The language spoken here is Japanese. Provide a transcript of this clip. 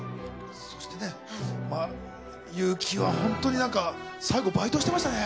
そしてね、結城は本当に、最後、バイトしてましたね。